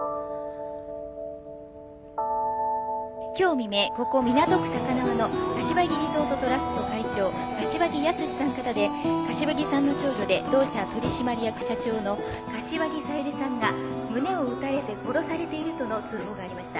「今日未明ここ港区高輪の柏木リゾートトラスト会長柏木靖さん方で柏木さんの長女で同社取締役社長の柏木小百合さんが胸を撃たれて殺されているとの通報がありました。